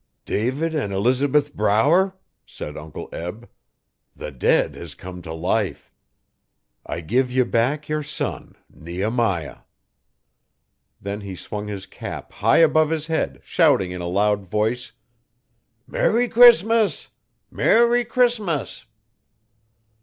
'David an' Elizabeth Brower,' said Uncle Eb, 'the dead hes come to life. I give ye back yer son Nehemiah.' Then he swung his cap high above his head, shouting in a loud voice: 'Merry Crissmus! Merry Crissmus!'